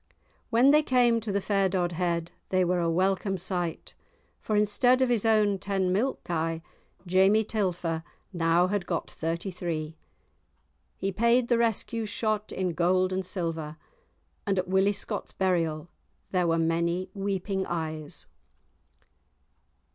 When they came to the fair Dodhead they were a welcome sight, for instead of his own ten milk kye Jamie Telfer had now got thirty three. He paid the rescue shot in gold and silver, and at Willie Scott's burial, there were many weeping eyes.